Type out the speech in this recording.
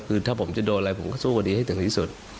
คือถ้าผมจะโดนอะไรผมก็สู้คดีให้ถึงที่สุด